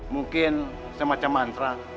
mungkin semacam mantra